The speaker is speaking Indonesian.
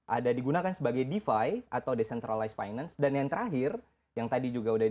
ada digunakan sebagai defi atau decentralize finance dan yang terakhir yang tadi juga udah